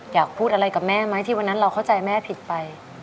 อยากพูดอะไรกับแม่ไหมที่วันนั้นเราเข้าใจแม่ผิดไป